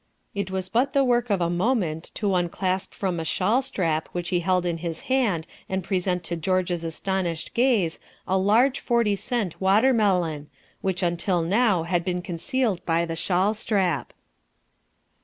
It was but the work of a moment to unclasp from a shawl strap which he held in his hand and present to George's astonished gaze a large forty cent watermelon, which until now had been concealed by the shawl strap.